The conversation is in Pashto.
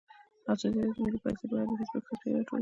ازادي راډیو د مالي پالیسي په اړه د فیسبوک تبصرې راټولې کړي.